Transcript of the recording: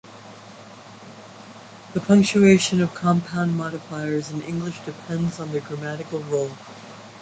The punctuation of compound modifiers in English depends on their grammatical role.